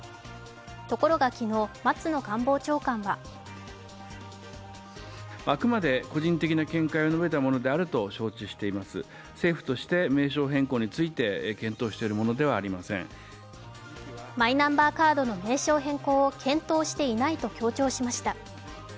ところが昨日、松野官房長官はマイナンバーカードの名称変更を検討していないと強調しました。